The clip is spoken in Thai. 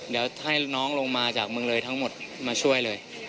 เดี๋ยวให้น้องลงมาจากเมืองเลยทั้งหมดมาช่วยเลย